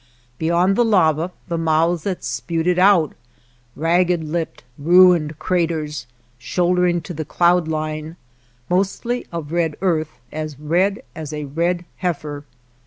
Beyond ^ the lava the mouths that spewed it out, ragged lipped, ruined craters shouldering to the cloud line, mostly of red earth, as red as a red heifer.